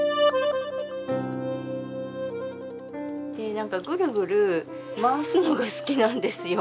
何かぐるぐる回すのが好きなんですよ。